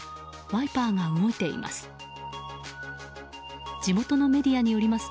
ワイパーが動いています。